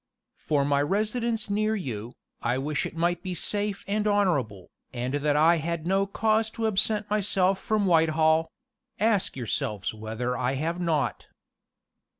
"For my residence near you, I wish it might be safe and honorable, and that I had no cause to absent myself from Whitehall: ask yourselves whether I have not.